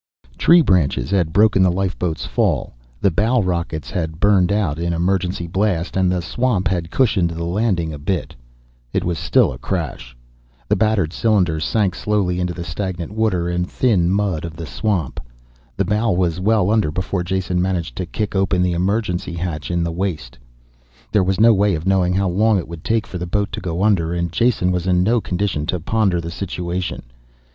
XXIII. Tree branches had broken the lifeboat's fall, the bow rockets had burned out in emergency blast, and the swamp had cushioned the landing a bit. It was still a crash. The battered cylinder sank slowly into the stagnant water and thin mud of the swamp. The bow was well under before Jason managed to kick open the emergency hatch in the waist. There was no way of knowing how long it would take for the boat to go under, and Jason was in no condition to ponder the situation.